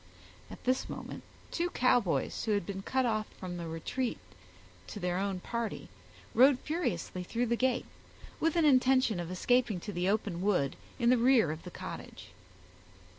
At this moment two Cowboys, who had been cut off from a retreat to their own party, rode furiously through the gate, with an intention of escaping to the open wood in the rear of the cottage.